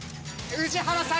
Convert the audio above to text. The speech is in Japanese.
宇治原さん。